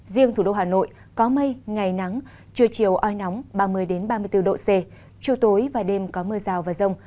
riêng thủ đô hà nội có mây ngày nắng trưa chiều oi nóng ba mươi ba mươi bốn độ c chiều tối và đêm có mưa rào và rông